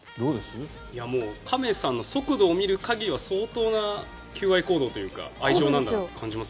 亀さんの速度を見る限りは相当な求愛行動というか愛情を感じます。